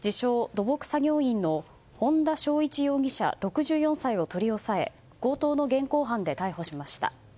・土木作業員の本田昭一容疑者、６４歳を取り押さえ強盗の現行犯で逮捕しました。